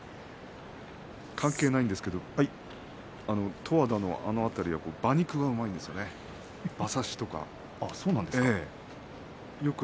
関係ないんですけど十和田のあの辺りは馬肉がうまいんですよね、馬刺しとか。